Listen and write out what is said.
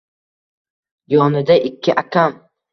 Yonida ikki akam